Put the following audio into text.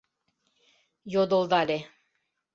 Йодылдале: